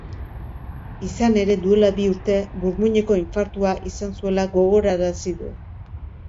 Izan ere, duela bi urte burmuineko infartua izan zuela gogorarazi du.